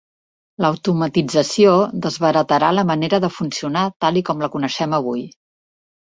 L'automatització desbaratarà la manera de funcionar tal i com la coneixem avui.